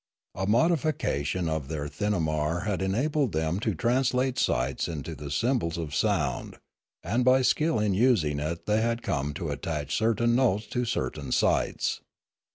A modification of their thinamar had enabled them to translate sights into the symbols of sound, and by skill in using it they had come to attach certain notes to certain sights.